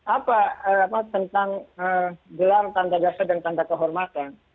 apa tentang gelar tanda dan tanda kehormatan